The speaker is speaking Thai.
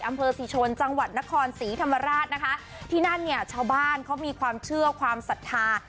อำเภอศรีชนจังหวัดนครศรีธรรมราชนะคะที่นั่นเนี่ยชาวบ้านเขามีความเชื่อความศรัทธา